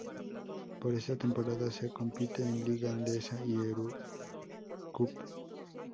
Para esta temporada se compite en Liga Endesa y Eurocup.